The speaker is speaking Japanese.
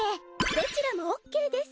どちらもオッケーです。